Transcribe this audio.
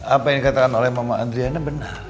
apa yang dikatakan oleh mama andriana benar